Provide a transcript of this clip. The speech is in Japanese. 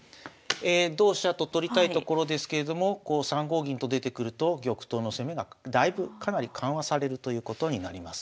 同飛車と取りたいところですけれども３五銀と出てくると玉頭の攻めがだいぶかなり緩和されるということになります。